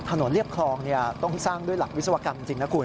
เรียบคลองต้องสร้างด้วยหลักวิศวกรรมจริงนะคุณ